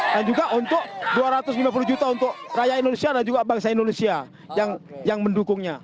dan juga untuk dua ratus lima puluh juta untuk raya indonesia dan juga bangsa indonesia yang mendukungnya